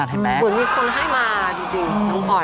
เหมือนมีคนให้มาจริง